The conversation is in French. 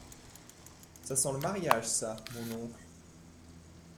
Ça sent le mariage ça, mon oncle.